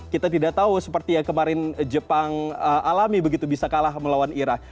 kita tidak tahu seperti yang kemarin jepang alami begitu bisa kalah melawan irak